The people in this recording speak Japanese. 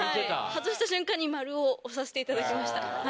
外した瞬間に「○」を押させていただきました。